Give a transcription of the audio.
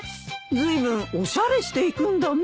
ずいぶんおしゃれしていくんだね。